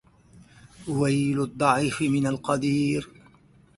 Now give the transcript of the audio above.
ويل الضعيف من القدير